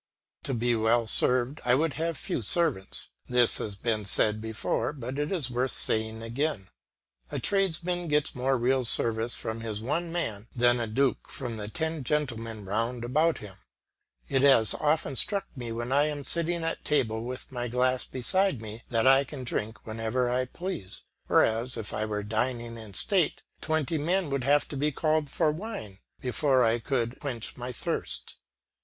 To be well served I would have few servants; this has been said before, but it is worth saying again. A tradesman gets more real service from his one man than a duke from the ten gentlemen round about him. It has often struck me when I am sitting at table with my glass beside me that I can drink whenever I please; whereas, if I were dining in state, twenty men would have to call for "Wine" before I could quench my thirst.